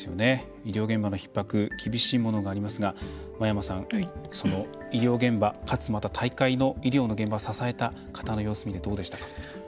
医療現場のひっ迫、厳しいものがありますが、真山さん医療現場、かつ大会の医療現場を支えた方の様子をご覧になってどうでしたか？